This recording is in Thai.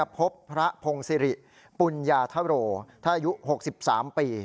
พบพระพงศิริปุญญาธโรถ้าอายุ๖๓ปี